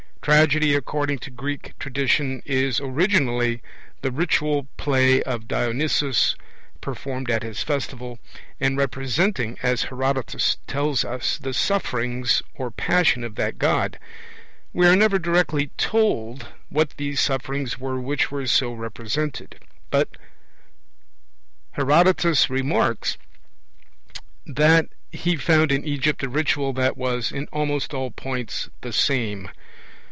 Tragedy, according to Greek tradition, is originally the ritual play of Dionysus, performed at his festival, and representing, as Herodotus tells us, the 'sufferings' or 'passion' of that God. We are never directly told what these 'sufferings' were which were so represented; but Herodotus remarks that he found in Egypt a ritual that was 'in almost all points the same'.